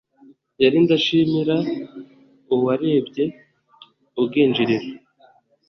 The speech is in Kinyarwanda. yari ndashimira uwarebye ubwinjiriro